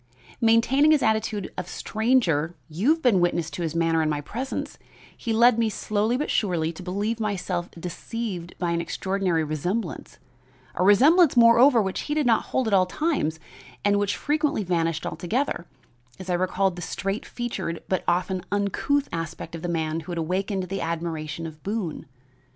Maintaining his attitude of stranger you have been witness to his manner in my presence he led me slowly but surely to believe myself deceived by an extraordinary resemblance; a resemblance, moreover, which did not hold at all times, and which frequently vanished altogether, as I recalled the straight featured but often uncouth aspect of the man who had awakened the admiration of Boone.